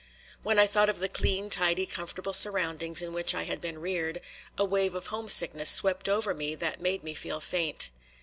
When I thought of the clean, tidy, comfortable surroundings in which I had been reared, a wave of homesickness swept over me that made me feel faint.